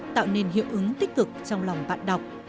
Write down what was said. tạo nên hiệu ứng tích cực trong lòng bạn đọc